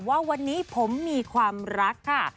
ว่าวันนี้ผมมีความรักค่ะ